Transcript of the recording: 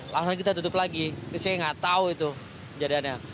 langsung kita tutup lagi saya nggak tahu itu kejadiannya